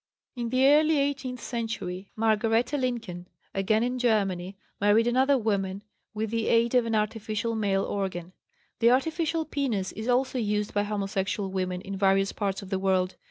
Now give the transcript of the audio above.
In the early eighteenth century, Margaretha Lincken, again in Germany, married another woman with the aid of an artificial male organ. The artificial penis is also used by homosexual women in various parts of the world.